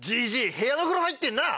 部屋の風呂入ってんな！